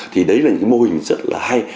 thì đấy là những mô hình rất là hay